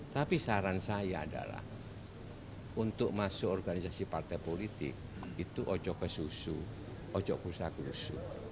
tapi saran saya adalah untuk masuk organisasi partai politik itu ojok kesusu ojok kusak kusu